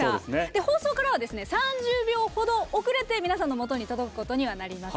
放送からは３０秒ほど遅れて皆さんのもとに届くことにはなります。